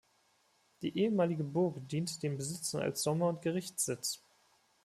Die ehemalige Burg diente den Besitzern als Sommer- und Gerichtssitz.